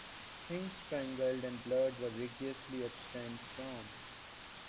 "Things strangled and blood" were rigorously abstained from.